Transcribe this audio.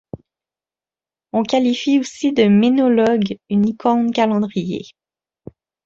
On qualifie aussi de ménologe une icône-calendrier.